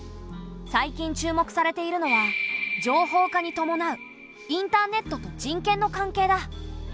最近注目されているのは情報化にともなうインターネットと人権の関係だ。